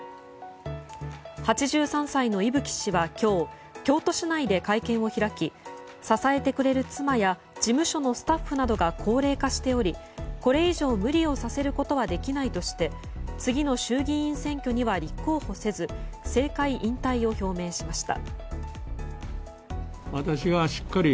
８３歳の伊吹氏は今日京都市内で会見を開き支えてくれる妻や事務所のスタッフなどが高齢化しておりこれ以上無理をさせることはできないとして次の衆議院選挙には立候補せず政界引退を表明しました。